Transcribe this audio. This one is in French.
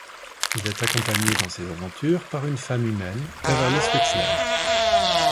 Il est accompagné dans ses aventures par une femme humaine Beverly Switzler.